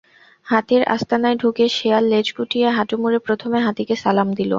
হাতির আস্তানায় ঢুকে শেয়াল লেজ গুটিয়ে, হাঁটু মুড়ে প্রথমে হাতিকে সালাম দিল।